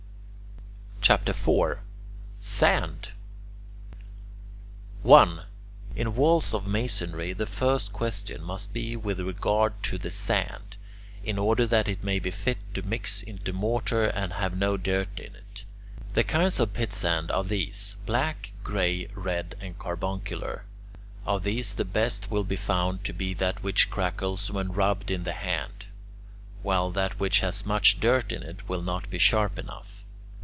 CHAPTER IV SAND 1. In walls of masonry the first question must be with regard to the sand, in order that it may be fit to mix into mortar and have no dirt in it. The kinds of pitsand are these: black, gray, red, and carbuncular. Of these the best will be found to be that which crackles when rubbed in the hand, while that which has much dirt in it will not be sharp enough.